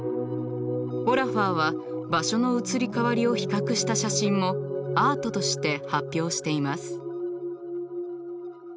オラファーは場所の移り変わりを比較した写真もアートとして発表しています。